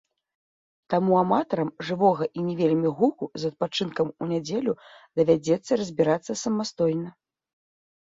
Таму аматарам жывога і не вельмі гуку з адпачынкам у нядзелю давядзецца разбірацца самастойна.